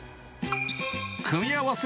組み合わせ